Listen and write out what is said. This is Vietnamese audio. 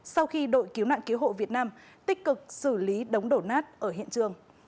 sau khi đội cứu nạn cứu hộ việt nam tích cực xử lý đống đổ nát ở hiện trường